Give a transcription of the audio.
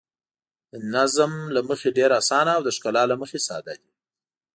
د نظم له مخې ډېر اسانه او د ښکلا له مخې ساده دي.